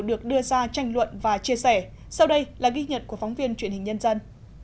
được đưa ra tranh luận và chia sẻ sau đây là ghi nhận của phóng viên truyền hình nhân dân